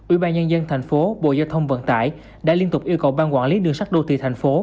ủy ban nhân dân tp bộ giao thông vận tải đã liên tục yêu cầu ban quản lý đường sắt đô thị tp